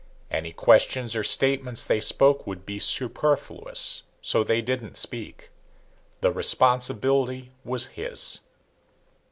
Any questions or statements they spoke would be superfluous, so they didn't speak. The responsibility was his.